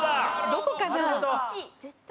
どこかな？